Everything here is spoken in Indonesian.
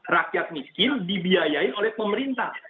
rakyat miskin dibiayai oleh pemerintah